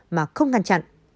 mà không ngăn chặn